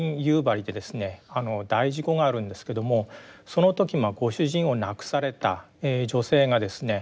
大事故があるんですけどもその時ご主人を亡くされた女性がですね